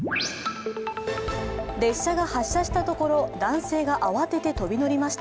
列車が発車したところ男性が慌てて飛び乗りました。